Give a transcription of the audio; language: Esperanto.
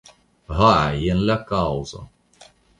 Ha, jen la kaŭzo.